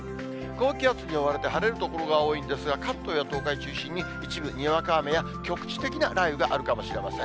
高気圧に覆われて晴れる所が多いんですが、関東や東海中心に、一部、にわか雨や局地的な雷雨があるかもしれません。